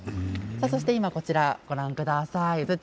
そして、こちらご覧ください。